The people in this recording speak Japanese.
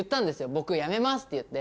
僕辞めますって言って。